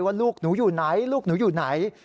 ว่าลูกหนูอยู่ไหนลูกหนูอยู่ไหน